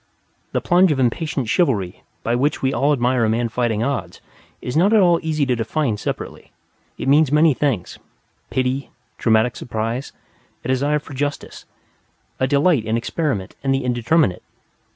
The plunge of impatient chivalry by which we all admire a man fighting odds is not at all easy to define separately, it means many things, pity, dramatic surprise, a desire for justice, a delight in experiment and the indeterminate.